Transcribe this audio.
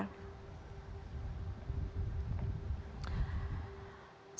selanjutnya komisi uni eropa kembali menolak rencana anggaran ekonomi global